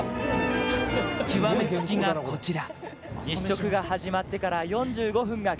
極めつきが、こちら。